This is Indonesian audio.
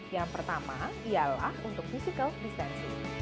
yang pertama ialah untuk physical distancing